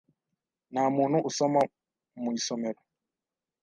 Nta muntu usoma mu isomero.